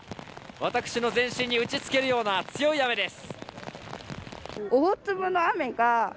私の全身に打ち付けるような強い雨です。